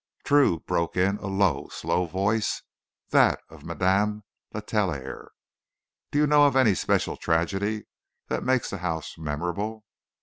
"True," broke in a low, slow voice that of Madame Letellier. "Do you know of any especial tragedy that makes the house memorable?"